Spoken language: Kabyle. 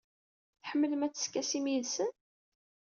Tḥemmlem ad teskasim yid-sen?